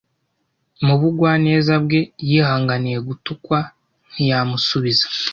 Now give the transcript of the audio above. Mu bugwaneza bwe, yihanganiye gutukwa ntiyamusubiza.